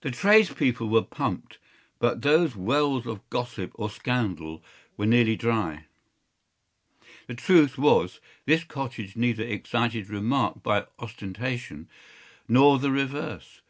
The tradespeople were pumped, but those wells of gossip or scandal were nearly dry. The truth was, this cottage neither excited remark by ostentation, nor the reverse.